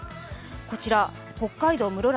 こちら北海道室蘭